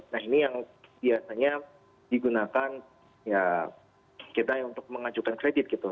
nah ini yang biasanya digunakan ya kita untuk mengajukan kredit gitu